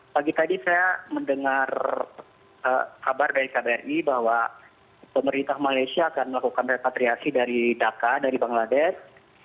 pagi tadi saya mendengar kabar dari kbri bahwa pemerintah malaysia akan melakukan repatriasi dari dhaka dari bangladesh